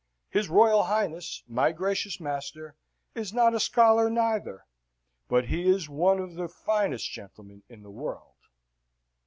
His Royal Highness, my gracious master, is not a scholar neither, but he is one of the finest gentlemen in the world."